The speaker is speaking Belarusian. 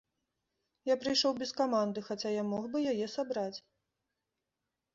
Я прыйшоў без каманды, хаця я мог бы яе сабраць.